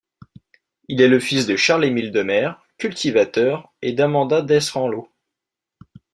Il est le fils de Charles-Émile Demers, cultivateur, et d'Amanda Desranleau.